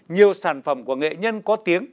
nhiều sản phẩm của nghệ nhân có tiếng